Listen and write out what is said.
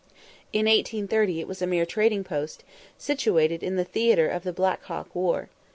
In 1830 it was a mere trading post, situated in the theatre of the Black Hawk war.